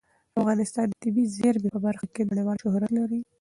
افغانستان د طبیعي زیرمې په برخه کې نړیوال شهرت لري.